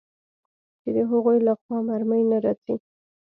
چې د هغوى له خوا مرمۍ نه راځي.